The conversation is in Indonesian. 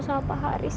kita tau dulu pak haris